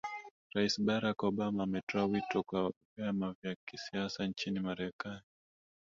rais barack obama ametoa wito kwa vyama vya siasa nchini marekani